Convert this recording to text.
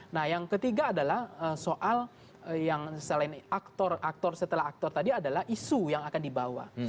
nah yang ketiga adalah soal yang selain aktor aktor setelah aktor tadi adalah isu yang akan dibawa